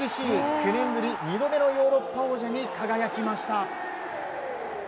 ９年ぶり２度目のヨーロッパ王者に輝きました。